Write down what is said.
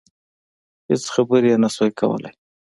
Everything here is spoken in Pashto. هېڅ خبرې يې نشوای کولای.